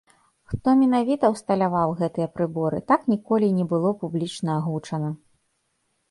Хто менавіта ўсталяваў гэтыя прыборы, так ніколі і не было публічна агучана.